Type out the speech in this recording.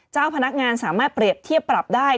เจ้าพนักงานสามารถเปรียบเทียบปรับได้